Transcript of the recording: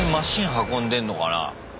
運んでんのかな？